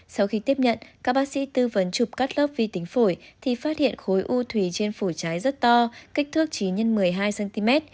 sau khi tiếp nhận các bác sĩ tư vấn chụp cắt lớp vi tính phổi thì phát hiện khối u thủy trên phổi trái rất to kích thước chỉ x một mươi hai cm